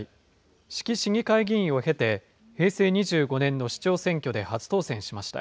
志木市議会議員を経て、平成２５年の市長選挙で初当選しました。